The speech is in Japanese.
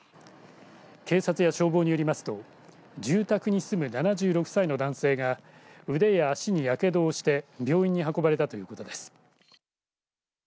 警察や消防によりますと住宅に住む７６歳の男性が腕や足にやけどをして病院に運ばれたということです。